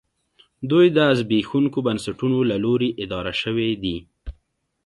دوی د زبېښونکو بنسټونو له لوري اداره شوې دي